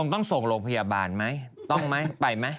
ต้องส่งโรงพยาบาลไหม